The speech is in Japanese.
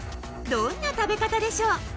［どんな食べ方でしょう？］